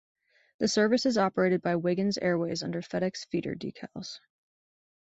The service is operated by Wiggins Airways under FedEx Feeder decals.